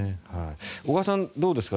小川さん、どうですか。